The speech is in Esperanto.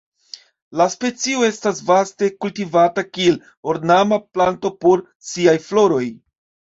La specio estas vaste kultivata kiel ornama planto por siaj floroj.